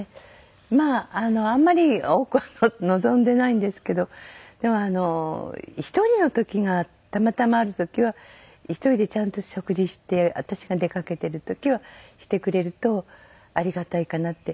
まああんまり多くは望んでないんですけどでも１人の時がたまたまある時は１人でちゃんと食事して私が出かけてる時はしてくれるとありがたいかなって。